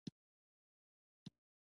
چې ته وا کومه ټوکه يې اورېدلې ده.